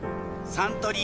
サントリー